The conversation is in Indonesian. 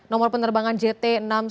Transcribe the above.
nomor penerbangan jt enam ratus sepuluh